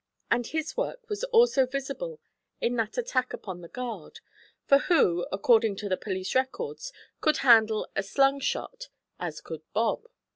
And his work was also visible in that attack upon the guard; for who, according to the police records, could handle a 'slung shot' as could Bob?